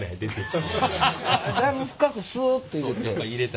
だいぶ深くスッと入れて。